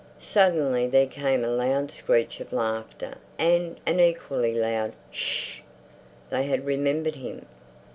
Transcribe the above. Suddenly there came a loud screech of laughter and an equally loud "Sh!" They had remembered him.